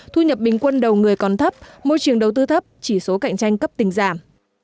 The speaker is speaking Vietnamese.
thu nhập bình quân đầu người còn thấp môi trường đầu tư thấp chỉ số cạnh tranh cấp tình giảm